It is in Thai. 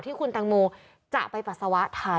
ที่คุณแตงโมจะไปปัสสาวะท้าย